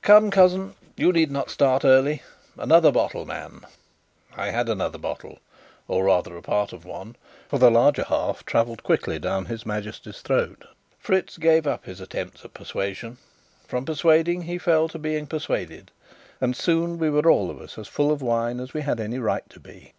"Come, cousin, you need not start early. Another bottle, man!" I had another bottle or, rather, a part of one, for the larger half travelled quickly down his Majesty's throat. Fritz gave up his attempts at persuasion: from persuading, he fell to being persuaded, and soon we were all of us as full of wine as we had any right to be.